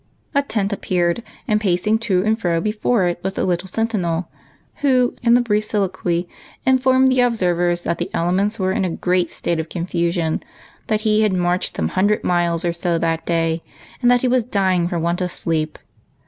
A tent appeared, and pacing to and fro before it was a little sentinel, who, in a brief soliloquy, informed the observers that the elements were in a great state of confusion, that he had marched some hundred miles or so that day, and that he was dying for want of sleej).